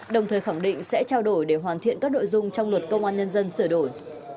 đồng thời khẳng định sẽ trao đổi để hoàn thiện các nội dung trong luật công an nhân dân sửa đổi